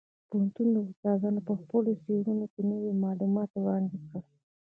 د پوهنتون استادانو په خپلو څېړنو کې نوي معلومات وړاندې کړل.